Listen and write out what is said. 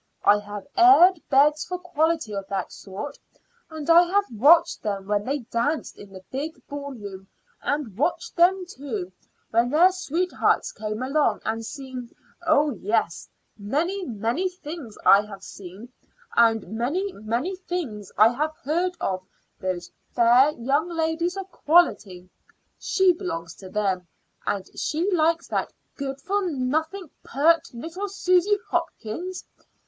"I have aired beds for quality of that sort, and I have watched them when they danced in the big ballroom, and watched them, too, when their sweethearts came along, and seen oh, yes, many, many things have I seen, and many, many things have I heard of those fair young ladies of quality. She belongs to them, and she likes that good for nothing, pert little Susy Hopkins!